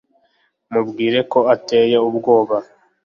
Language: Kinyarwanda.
mubwire ko ateye ubwoba